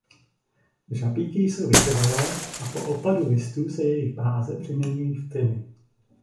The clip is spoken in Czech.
Řapíky jsou vytrvalé a po opadu listů se jejich báze přeměňují v trny.